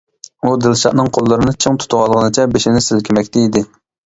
ئۇ دىلشاتنىڭ قوللىرىنى چىڭ تۇتۇۋالغىنىچە بېشىنى سىلكىمەكتە ئىدى.